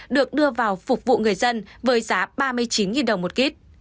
được đưa vào phục vụ người dân với giá ba mươi chín đồng một ký